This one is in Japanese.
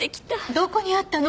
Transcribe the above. どこにあったの？